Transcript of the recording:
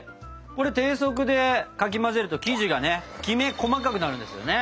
これ低速でかき混ぜると生地がねきめ細かくなるんですよね。